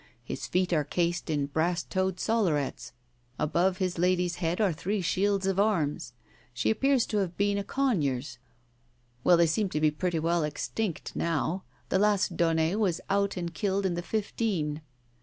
— His feet are cased in brass toed sollerets. Above his lady's head are three shields of arms. She appears to have been a Conyers. Well, they seem to be pretty well extinct now. The last Daunet was out and killed in the fifteen.